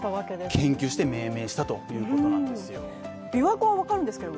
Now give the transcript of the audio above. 研究して命名したということなんですよ。